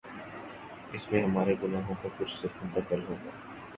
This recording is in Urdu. اس میں ہمارے گناہوں کا کچھ ضرور دخل ہو گا۔